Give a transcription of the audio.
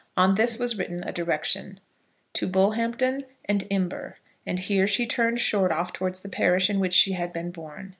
On this was written a direction, To Bullhampton and Imber; and here she turned short off towards the parish in which she had been born.